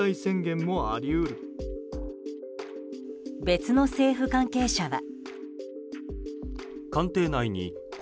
別の政府関係者は。